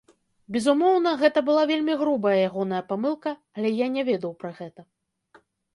Безумоўна, гэта была вельмі грубая ягоная памылка, але я не ведаў пра гэта.